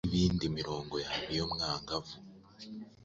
nibindi Imirongo yaba iyomwangavu